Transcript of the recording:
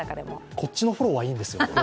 こっちのフォローはいいんですよ。